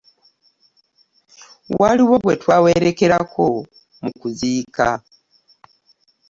Waliwo gwe twawerekerako mu kuziika.